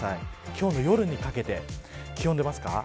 今日の夜にかけて気温出ますか。